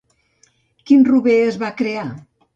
Quin rober es va crear?